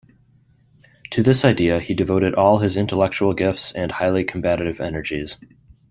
To this idea he devoted all his intellectual gifts and highly combative energies.